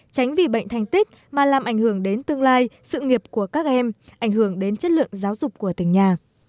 tránh vì bệnh thành tích mà làm ảnh hưởng đến tương lai sự nghiệp của các em ảnh hưởng đến chất lượng giáo dục của tỉnh nhà